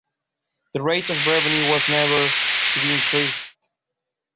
The rate of revenue was never to be increased.